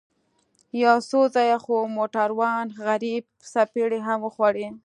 يو څو ځايه خو موټروان غريب څپېړې هم وخوړې.